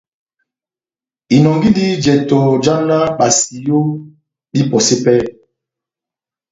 Inɔngindi jɛtɔ já náh basiyo bahipɔse pɛhɛ.